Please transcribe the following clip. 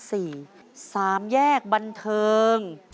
สามแยกบันเทิง